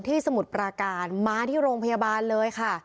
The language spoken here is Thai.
สมุทรปราการมาที่โรงพยาบาลเลยค่ะ